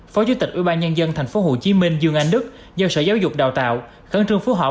phó chủ tịch ủy ban nhân dân tp hcm dương anh đức do sở giáo dục đào tạo khẩn trương phú họp